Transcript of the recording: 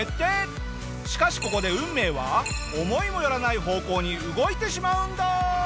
しかしここで運命は思いも寄らない方向に動いてしまうんだ！